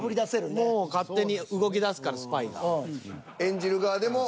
もう勝手に動きだすからスパイが。